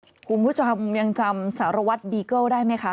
จะพูดแปลกคุณผู้ชมจำสารวัทธ์บีโก้ได้ไหมคะ